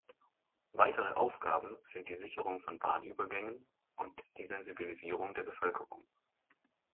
Weitere Aufgaben sind die Sicherung von Bahnübergängen und die Sensibilisierung der Bevölkerung.